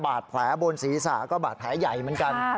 บาดแผลบนศีรษะก็บาดแผลใหญ่เหมือนกัน